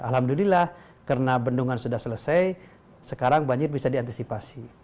alhamdulillah karena bendungan sudah selesai sekarang banjir bisa diantisipasi